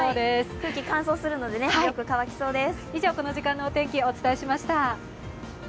空気、乾燥するので、よく乾きそうです。